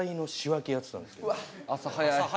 朝早い。